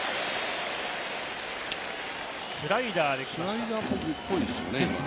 スライダーっぽいですよね。